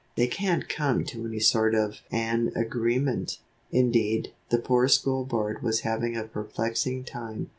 They can't come to any sort of an agreement." Indeed, the poor School Board was having a perplexing time.